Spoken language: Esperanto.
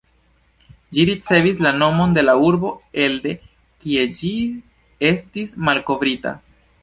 Ĝi ricevis la nomon de la urbo elde kie ĝi estis malkovrita.